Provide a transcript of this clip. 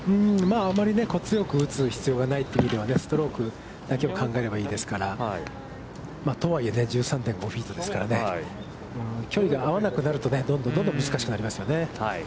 あんまり強く打つ必要がないという意味では、ストロークだけを考えればいいですから、とはいえ１３．５フィートですからね、距離が合わなくなると、どんどん、どんどん難しくなりますよね。